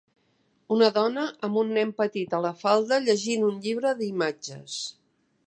Una dona amb un nen petit a la falda llegint un llibre d'imatges.